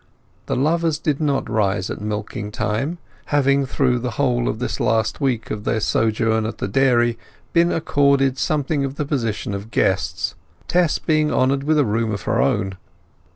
The lovers did not rise at milking time, having through the whole of this last week of their sojourn at the dairy been accorded something of the position of guests, Tess being honoured with a room of her own.